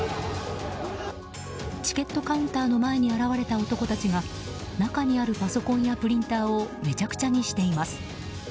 チケットカウンターの前に現れた男たちが中にあるパソコンやプリンターをめちゃくちゃにしています。